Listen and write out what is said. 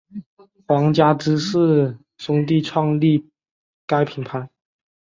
皇家芝华士兄弟创立该品牌。